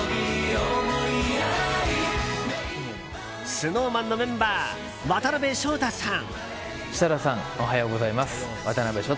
ＳｎｏｗＭａｎのメンバー渡辺翔太さん！